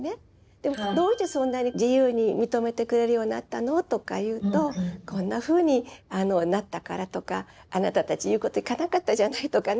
でもどうしてそんなに自由に認めてくれるようになったの？とか言うとこんなふうになったからとかあなたたち言うこときかなかったじゃないとかね。